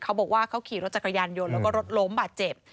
เขาบอกว่าเขาขี่รถจักรยานยนต์แล้วก็รถล้มบาดเจ็บ